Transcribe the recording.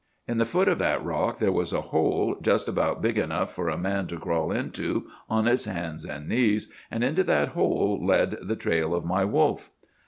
In the foot of that rock there was a hole, just about big enough for a man to crawl into on his hands and knees, and into that hole led the trail of my wolf.